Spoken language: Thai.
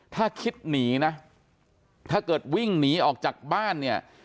ถ้าคิดหนีนะถ้าเกิดวิ่งหนีออกจากบ้านเนี่ย